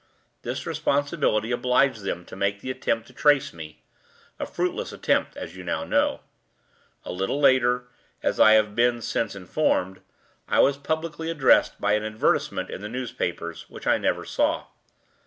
This responsibility obliged them to make the attempt to trace me a fruitless attempt, as you already know. A little later (as I have been since informed) I was publicly addressed by an advertisement in the newspapers, which I never saw.